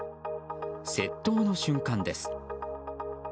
窃盗の瞬間です。